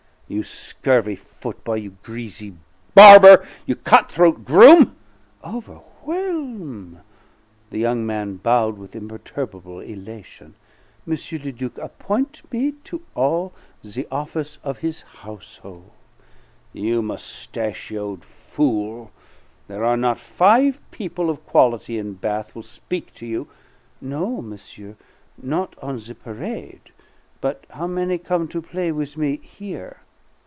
"You scurvy foot boy, you greasy barber, you cutthroat groom " "Overwhelm'!" The young man bowed with imperturbable elation. "M. le Duc appoint' me to all the office' of his househol'." "You mustachioed fool, there are not five people of quality in Bath will speak to you " "No, monsieur, not on the parade; but how many come to play with me here?